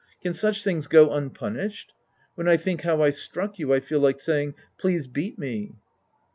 Can such things go unpunished ? When I think how I struck you, I feel like saying, " Please beat me."